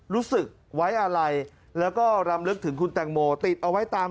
รู้สึกไว้อะไรแล้วก็รำลึกถึงคุณแตงโมติดเอาไว้ตาม